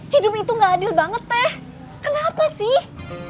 hidup itu gak adil banget teh kenapa sih